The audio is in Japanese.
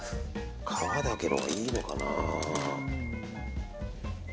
皮だけのほうがいいのかな。